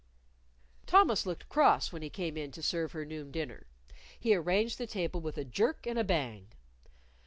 Thomas looked cross when he came in to serve her noon dinner. He arranged the table with a jerk and a bang.